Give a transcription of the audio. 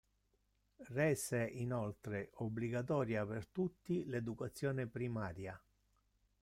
Rese inoltre obbligatoria per tutti l'educazione primaria.